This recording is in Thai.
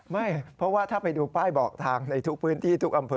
ไม่เพราะว่าถ้าไปดูป้ายบอกทางในทุกพื้นที่ทุกอำเภอ